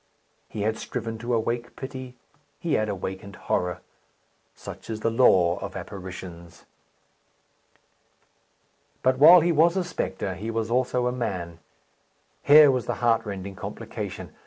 He had striven to awake pity; he had awakened horror. Such is the law of apparitions. But while he was a spectre, he was also a man; here was the heartrending complication.